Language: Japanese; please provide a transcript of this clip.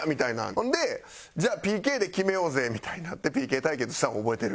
ほんでじゃあＰＫで決めようぜみたいになってＰＫ対決したん覚えてる。